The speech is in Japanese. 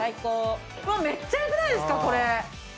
めっちゃよくないですか⁉これ。